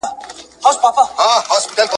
چي د شر تخم تباه نه کړی یارانو ..